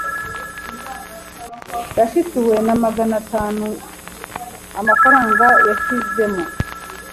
yashituwe na maganatanu Frw yashyizemo